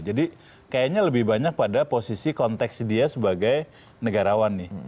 jadi kayaknya lebih banyak pada posisi konteks dia sebagai negarawan nih